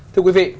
thưa quý vị